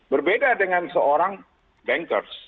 berbeda dengan seorang bankers